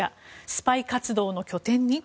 スパイ活動の拠点に？